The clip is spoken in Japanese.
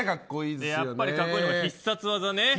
やっぱり格好いいのが必殺技ね。